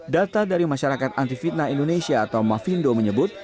data dari masyarakat anti fitnah indonesia atau mafindo menyebut